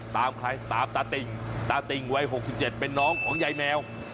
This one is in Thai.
ตามใครตามตาติ่งตาติ่งวัยหกสิบเจ็ดเป็นน้องของใยแมว